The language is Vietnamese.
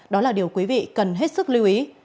đó là điều quý vị cần hết sức lưu ý